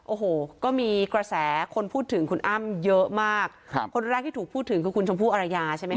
โอ้โหก็มีกระแสคนพูดถึงคุณอ้ำเยอะมากครับคนแรกที่ถูกพูดถึงคือคุณชมพู่อรยาใช่ไหมค